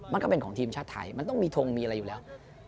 มันก็เป็นของทีมชาติไทยมันต้องมีทงมีอะไรอยู่แล้ว